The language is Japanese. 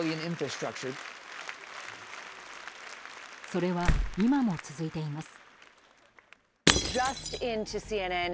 それは、今も続いています。